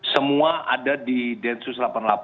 semua ada di densus delapan puluh delapan